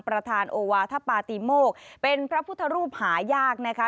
ประธานโอวาทปาติโมกเป็นพระพุทธรูปหายากนะคะ